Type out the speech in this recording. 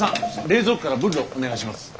冷蔵庫からブッロお願いします。